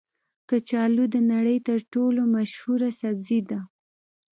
کچالو د نړۍ تر ټولو مشهوره سبزي ده